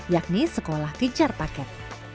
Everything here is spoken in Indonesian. yakni sekolah kejar paket